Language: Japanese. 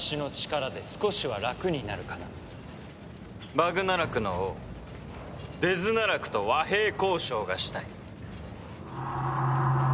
バグナラクの王デズナラクと和平交渉がしたい。